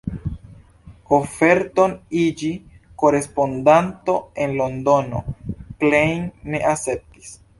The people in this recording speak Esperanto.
Oferton iĝi korespondanto en Londono Klein ne akceptis.